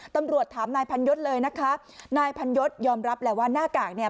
ตำรวจถามนายพันยศเลยนะคะนายพันยศยอมรับแหละว่าหน้ากากเนี่ย